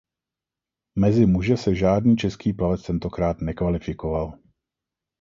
Mezi muže se žádný český plavec tentokrát nekvalifikoval.